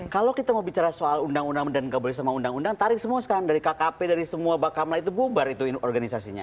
kalau kita mau bicara soal undang undang dan nggak boleh sama undang undang tarik semua sekarang dari kkp dari semua bakamla itu bubar itu organisasinya